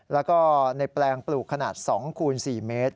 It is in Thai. แล้วก็ในแปลงปลูกขนาด๒คูณ๔เมตร